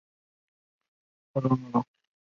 希罗纳古罗马凯尔特神话女性神只之一。